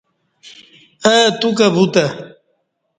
اہ تو کہ وُتہ۔